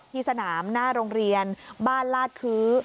ที่สนามหน้าโรงเรียนบ้านลาดคื้อ